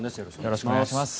よろしくお願いします。